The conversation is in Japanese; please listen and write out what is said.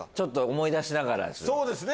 思い出しながらです。